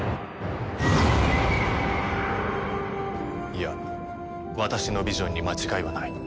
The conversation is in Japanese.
いや私のビジョンに間違いはない。